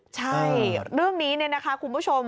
ใช่เรื่องนี้เนี่ยนะคะคุณผู้ชม